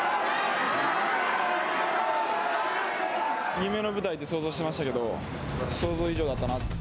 夢の舞台って想像してましたけど想像以上だったなって。